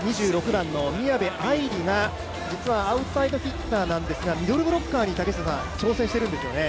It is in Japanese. ２６番の宮部藍梨が実はアウトサイドヒッターなんですが、ミドルブロッカーに挑戦しているんですよね。